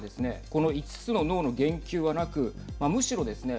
この５つのノーの言及はなくむしろですね